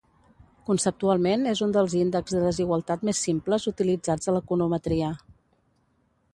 Conceptualment és un dels índexs de desigualtat més simples utilitzats a l'econometria.